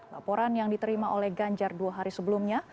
laporan yang diterima oleh ganjar dua hari sebelumnya